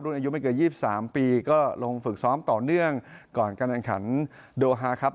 อายุไม่เกิน๒๓ปีก็ลงฝึกซ้อมต่อเนื่องก่อนการแข่งขันโดฮาครับ